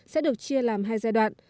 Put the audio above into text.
sẽ được chia làm hai giai đoạn